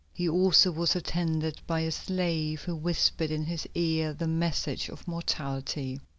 He also was attended by a slave who whispered in his ear the message of mortality.